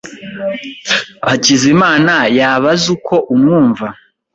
Hakizimana yaba azi uko umwumva?